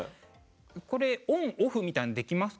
これオンオフみたいのできますか？